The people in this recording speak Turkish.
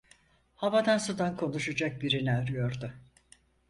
Havadan sudan konuşacak birini arıyordu.